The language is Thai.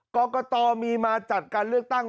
กรกตมีมาจัดการเลือกตั้ง